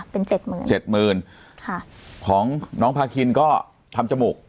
เป็นเจ็ดหมื่นเจ็ดหมื่นค่ะของน้องพาคินก็ทำจมูก